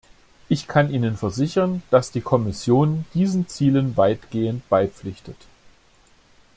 Ich kann Ihnen versichern, dass die Kommission diesen Zielen weitgehend beipflichtet.